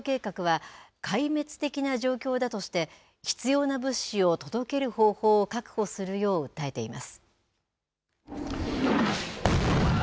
国連ＷＦＰ、世界食糧計画は壊滅的な状況だとして必要な物資を届ける方法を確保するよう訴えています。